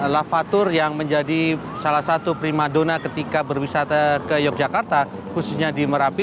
lavatur yang menjadi salah satu prima dona ketika berwisata ke yogyakarta khususnya di merapi